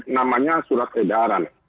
namanya surat edaran